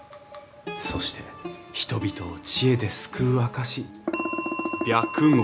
そして人々を知恵で救う証し白毫。